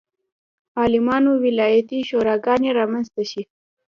عالمانو ولایتي شوراګانې رامنځته شي.